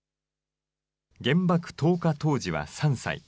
原爆投下当時は３歳。